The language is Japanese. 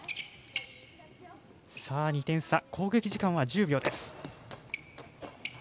攻撃時間は１０秒です。